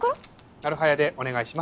なる早でお願いします。